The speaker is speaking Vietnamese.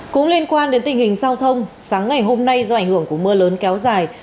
cũng liên quan đến tình hình giao thông sáng ngày hôm nay do ảnh hưởng của mưa lớn kéo dài